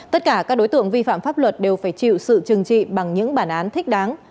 tất cả các đối tượng vi phạm pháp luật đều phải chịu sự trừng trị bằng những bản án thích đáng